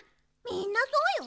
みんなそうよ。